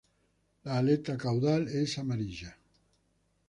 La aleta caudal es amarilla.